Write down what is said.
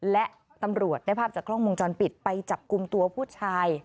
และตำรวจได้ภาพจากกล้องวงจรปิดไปจับกลุ่มตัวผู้ชาย